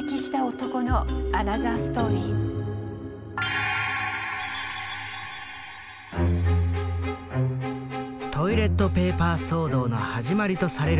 トイレットペーパー騒動の始まりとされる場所がある。